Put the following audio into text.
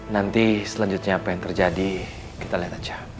nanti selanjutnya apa yang terjadi kita lihat aja